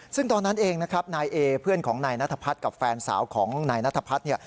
ซึ่งตอนนั้นเองนะครับนายเอเพื่อนของนายนัทพัฒน์กับแฟนสาวของนายนัทพัฒน์เนี่ย